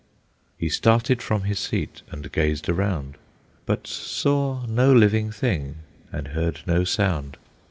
He started from his seat and gazed around, But saw no living thing and heard no sound.